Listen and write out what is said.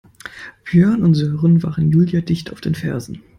Björn und Sören waren Julia dicht auf den Fersen.